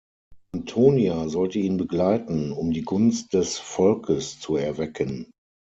Antonia sollte ihn begleiten, „"um die Gunst des Volkes zu erwecken"“.